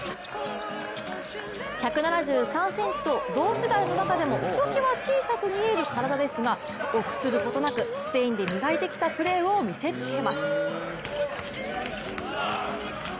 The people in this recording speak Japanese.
１７３ｃｍと同世代の中でもひときわ小さく見える体ですが臆することなくスペインで磨いてきたプレーを見せつけます。